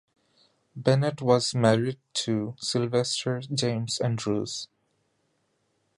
Bennett was married to Sylvester James Andrews.